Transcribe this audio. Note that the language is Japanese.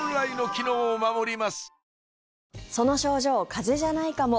風邪じゃないかも。